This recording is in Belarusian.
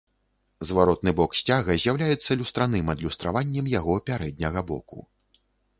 Зваротны бок сцяга з'яўляецца люстраным адлюстраваннем яго пярэдняга боку.